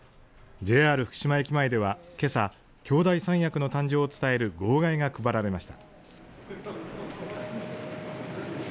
ＪＲ福島駅前では、けさ兄弟三役の誕生を伝える号外が配られました。